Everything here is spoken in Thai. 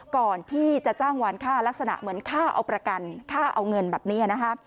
ก่อนที่จะจ้างวานค่าลักษณะเหมือนค่าเอาประกันค่าเอาเงินแบบนี้นะคะ